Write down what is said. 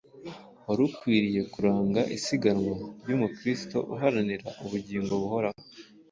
wari ukwiriye kuranga isiganwa ry’umukristo uharanira ubugingo buhoraho.